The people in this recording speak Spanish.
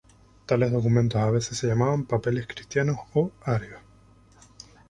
Tales documentos a veces se llamaban "papeles cristianos" o "arios".